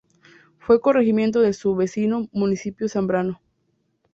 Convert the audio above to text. Fue Corregimiento de Su vecino Municipio Zambrano.